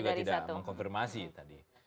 tidak mengkonfirmasi tadi